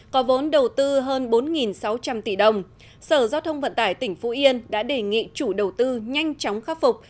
có vốn đầu tư hơn bốn sáu trăm linh tỷ đồng sở giao thông vận tải tỉnh phú yên đã đề nghị chủ đầu tư nhanh chóng khắc phục